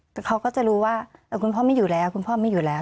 แต่เขาก็จะรู้ว่าคุณพ่อไม่อยู่แล้วคุณพ่อไม่อยู่แล้ว